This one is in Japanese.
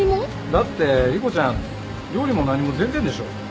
だって莉湖ちゃん料理も何も全然でしょ？